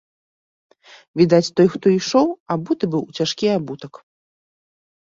Відаць, той, хто ішоў, абуты быў у цяжкі абутак.